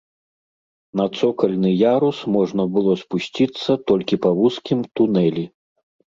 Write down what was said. На цокальны ярус можна было спусціцца толькі па вузкім тунэлі.